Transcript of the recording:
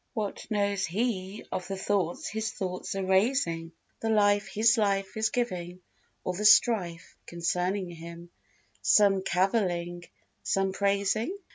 What knows he of the thoughts his thoughts are raising, The life his life is giving, or the strife Concerning him—some cavilling, some praising?